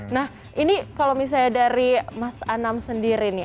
nah ini kalau misalnya dari mas anam sendiri nih